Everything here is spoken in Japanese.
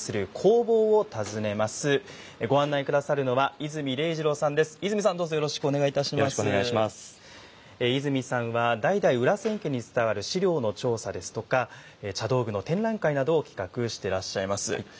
伊住さんは代々裏千家に伝わる資料の調査ですとか茶道具の展覧会などを企画してらっしゃいます。